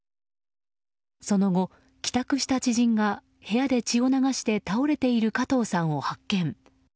その後、帰宅した知人が部屋で血を流して倒れている加藤さんを発見。